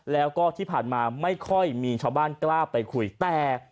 แล้วก็ที่ผ่านมาไม่ค่อยมีชาวบ้านกล้าไปคุยแต่